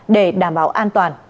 để đảm bảo an toàn